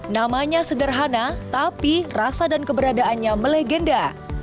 namanya sederhana tapi rasa dan keberadaannya melegenda